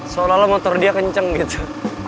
seolah olah motor dia kenceng gitu